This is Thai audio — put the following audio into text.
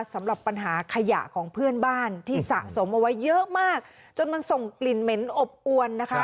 สำหรับปัญหาขยะของเพื่อนบ้านที่สะสมเอาไว้เยอะมากจนมันส่งกลิ่นเหม็นอบอวนนะคะ